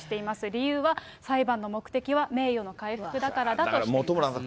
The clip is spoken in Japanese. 理由は裁判の目的は名誉の回復だからだとしています。